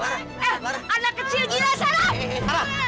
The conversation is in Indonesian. eh eh eh eh anak kecil gila sara